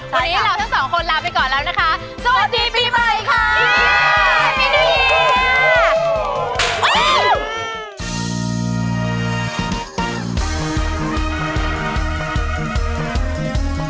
วันนี้เราทั้งสองคนลาไปก่อนแล้วนะคะสวัสดีปีใหม่ค่ะ